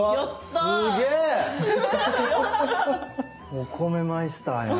お米マイスターやん。